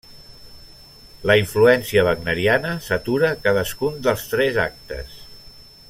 La influència wagneriana satura cadascun dels tres actes.